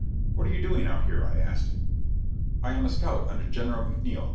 "What are you doing out here?" I asked. "I am a scout under General McNiel.